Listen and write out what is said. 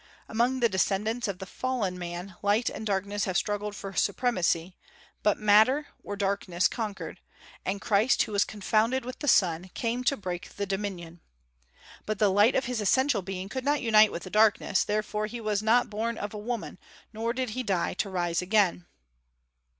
Among the descendants of the fallen man light and darkness have struggled for supremacy, but matter, or darkness, conquered; and Christ, who was confounded with the sun, came to break the dominion. But the light of his essential being could not unite with darkness; therefore he was not born of a woman, nor did he die to rise again.